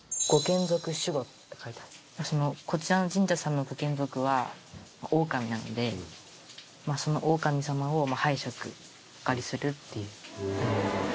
こちらの神社さんの御眷属はオオカミなのでそのオオカミ様を拝借お借りするっていう。